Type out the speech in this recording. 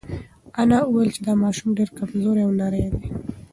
انا وویل چې دا ماشوم ډېر کمزوری او نری دی.